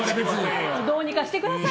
どうにかしてください。